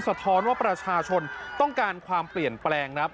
ท้อนว่าประชาชนต้องการความเปลี่ยนแปลงครับ